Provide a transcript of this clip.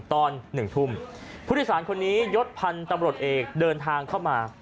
ตอนหนึ่งทุ่มผู้พิกัดคนนี้ยศพันจุดเอกเดินทางเข้ามา